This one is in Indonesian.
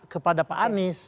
kepada pak anies